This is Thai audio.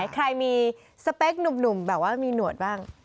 ใครมีสเปคหนุ่มแบบว่ามีหนวดบ้าง